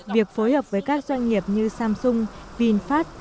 việc phối hợp với các doanh nghiệp như samsung vinfast